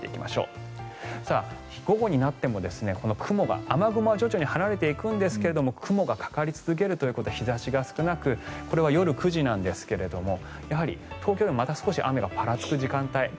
午後になっても雲が雨雲は徐々に離れていくんですが雲がかかり続けるということで日差しが少なくこれは夜９時なんですがやはり東京でもまた少し雨がぱらつく時間帯